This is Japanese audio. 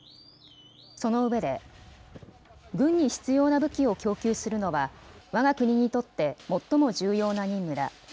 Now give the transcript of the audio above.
その上で、軍に必要な武器を供給するのは、わが国にとって最も重要な任務だ。